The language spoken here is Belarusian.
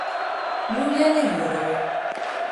Ну, я не ведаю!